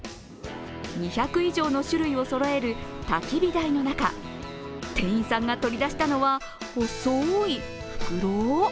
２００以上の種類をそろえるたき火台の中店員さんが取り出したのは細い袋？